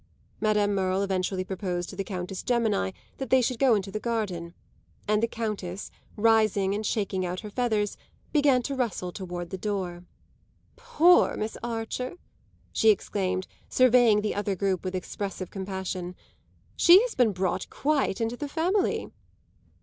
Madame Merle eventually proposed to the Countess Gemini that they should go into the garden, and the Countess, rising and shaking out her feathers, began to rustle toward the door. "Poor Miss Archer!" she exclaimed, surveying the other group with expressive compassion. "She has been brought quite into the family."